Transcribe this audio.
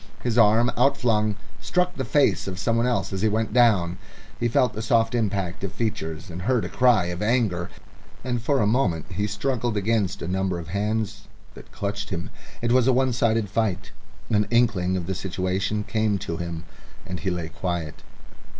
His arm, outflung, struck the face of someone else as he went down; he felt the soft impact of features and heard a cry of anger, and for a moment he struggled against a number of hands that clutched him. It was a one sided fight. An inkling of the situation came to him, and he lay quiet.